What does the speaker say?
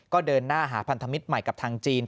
ก็เดินหน้าหาพันธมิตรใหม่กับทางจีน